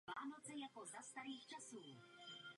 Spolehlivě je ovšem doložen pouze jako stavitel.